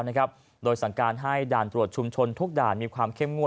โดยสั่งการให้ด่านตรวจชุมชนทุกด่านมีความเข้มงวด